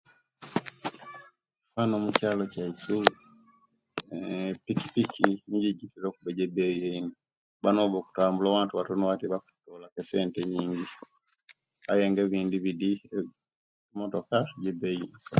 Owano muchalo chaisu pikipiki nijo ejitera okuba neebeyie ino nowobanga olikutambula watu watono wati bakutolaku esente nyinji ayenga bindibidi motocross yebeyi isa